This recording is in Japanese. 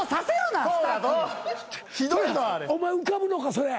お前浮かぶのかそれ。